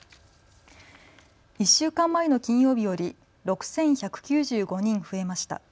１週間前の金曜日より６１９５人増えました。